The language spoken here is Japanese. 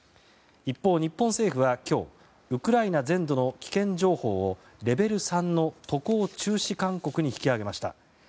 一方、日本政府は今日ウクライナ全土の危険情報をレベル３の渡航中止勧告に引き上げました。